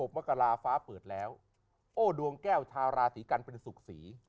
มกราฟ้าเปิดแล้วโอ้ดวงแก้วชาวราศีกันเป็นสุขศรี